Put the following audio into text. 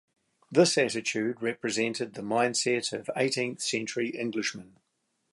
This attitude represented the mindset of eighteenth-century Englishmen.